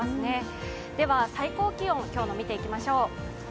最高気温、今日のものを見ていきましょう。